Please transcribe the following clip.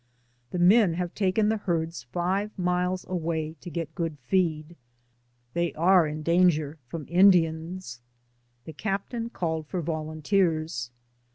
The men have taken the herds five miles away to get good feed. They are in danger from Indians. The captain called for volun teers.